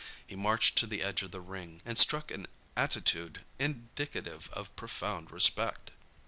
He marched to the edge of the ring and struck an attitude indicative of profound respect.